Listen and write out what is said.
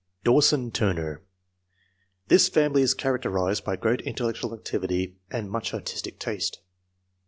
Dawson Tl rner. — This family is characterised by great intellectual activity and much artistic taste.